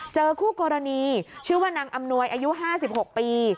เจอคู่กรณีชื่อว่านางอำนวยอายุ๕๖ปี